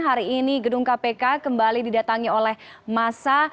hari ini gedung kpk kembali didatangi oleh masa